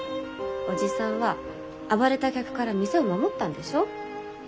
おじさんは暴れた客から店を守ったんでしょ？